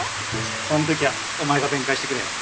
そんときはお前が弁解してくれよ。